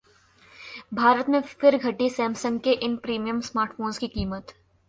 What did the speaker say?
भारत में फिर घटी सैमसंग के इन प्रीमियम स्मार्टफोन्स की कीमत